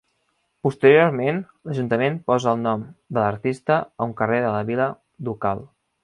Posteriorment, l'Ajuntament posa el nom de l'artista a un carrer de la vila ducal.